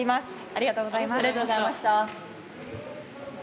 ありがとうございます。